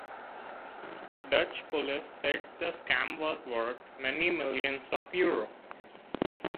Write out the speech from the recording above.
Dutch police said the scam was worth 'many millions of euro'.